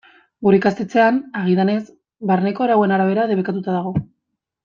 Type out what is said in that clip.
Gure ikastetxean, agidanez, barneko arauen arabera debekatuta dago.